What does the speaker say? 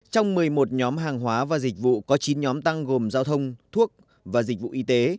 trong một mươi một nhóm hàng hóa và dịch vụ có chín nhóm tăng gồm giao thông thuốc và dịch vụ y tế